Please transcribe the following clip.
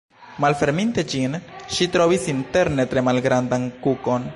Malferminte ĝin, ŝi trovis interne tre malgrandan kukon.